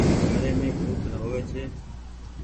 گھري مي ڀوت هووي ڇي۔